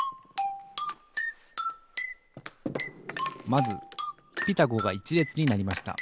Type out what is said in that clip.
まず「ピタゴ」が１れつになりました